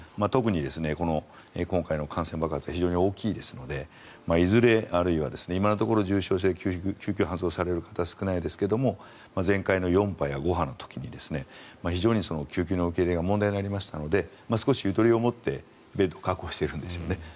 特に今回の感染爆発は非常に大きいですのでいずれあるいは今のところ重症者、救急搬送される方少ないですけども前回の４波や５波の時に非常に救急の受け入れが問題になりましたので少しゆとりを持ってベッドを確保してるんですよね。